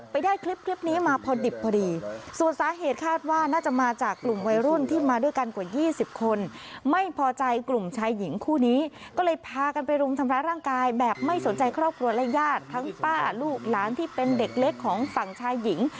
เป็นจะความขอใจกลุ่มชายหญิงคู่นี้ก็เลยพากันไปรุมทำลายร่างกายแบบไม่สนใจครอบครัวและญาติทั้งป้าลูกหลานที่เป็นเด็กเล็กของฝั่งชายหญิง